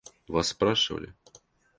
Вас спрашивали.